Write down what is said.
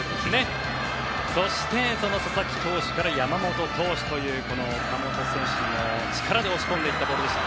そして、佐々木投手から山本投手というこの岡本選手の力で押し込んでいったボールでした。